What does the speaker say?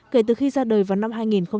kể từ khi ra đời vào năm hai nghìn tám